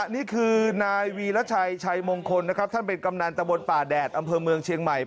นี่คือนายวีรชัยชัยมงคลนะครับท่านเป็นกำนันตะบนป่าแดดอำเภอเมืองเชียงใหม่